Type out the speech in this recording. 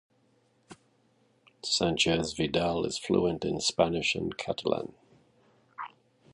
Sanchez Vidal is fluent in Spanish and Catalan.